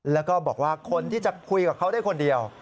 แล้วก็บอกว่าคนที่จะคุยกับเขาได้คนเดียว